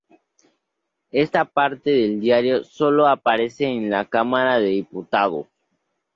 Esta parte del Diario sólo aparece en la Cámara de Diputados.